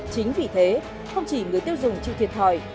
chính vì thế không chỉ người tiêu dùng chịu thiệt thòi